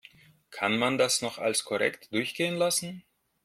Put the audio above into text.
Kann man das noch als korrekt durchgehen lassen?